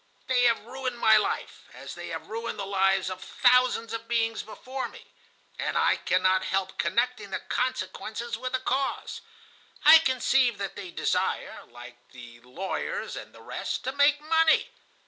They have ruined my life, as they have ruined the lives of thousands of beings before me, and I cannot help connecting the consequence with the cause. I conceive that they desire, like the lawyers and the rest, to make money.